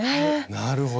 なるほど。